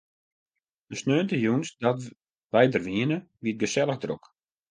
De saterdeitejûns dat wy der wiene, wie it gesellich drok.